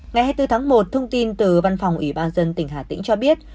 ngày hai mươi bốn tháng một thông tin từ văn phòng ủy ban dân tỉnh hà tĩnh cho biết